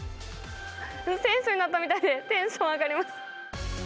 選手になったみたいで、テンション上がります。